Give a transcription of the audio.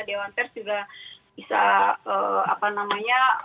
dewan pers juga bisa apa namanya